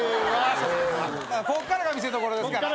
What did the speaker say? こっからが見せどころですから。